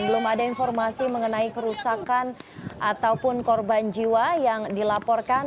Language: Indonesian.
dan belum ada informasi mengenai kerusakan ataupun korban jiwa yang dilaporkan